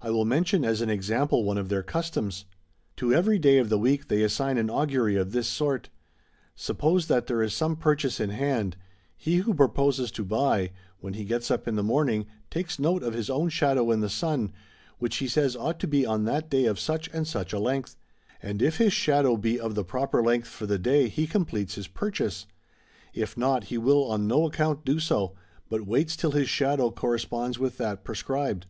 I will mention as an example one of their customs. To every day of the week they assign an augury of this sort. Sup pose that there is some purchase in hand, he who proposes to buy, when he gets up in the morning takes note of his own shadow in the sun, which he says ought to be on that day of such and such a length ; and if his shadow be of the proper length for the day he completes his purchase ; if not, he will on no account do so, but waits till his shadow cor responds with that prescribed.